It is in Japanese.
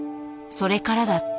それからだった。